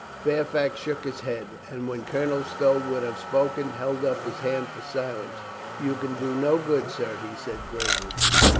Fairfax shook his head and when Colonel Stow would have spoken held up his hand for silence. "You can do no good, sir," he said gravely.